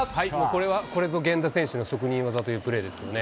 これはこれぞ源田選手の職人技というプレーですよね。